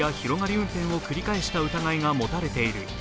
運転を繰り返した疑いが持たれている。